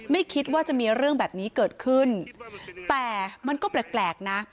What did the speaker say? ไม่คิดว่าจะมีเรื่องแบบนี้เกิดขึ้นแต่มันก็แปลกนะ